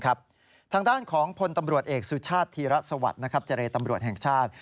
ทางด้านของพลตำรวจเอกสุชาติธีระสวัสดิ์เจรตำรวจแห่งชาติ